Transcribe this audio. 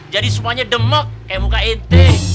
jadi semuanya demok kayak muka ente